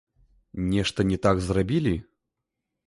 Нешта не так зрабілі?